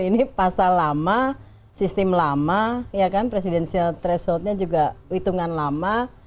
ini pasal lama sistem lama ya kan presidensial threshold nya juga hitungan lama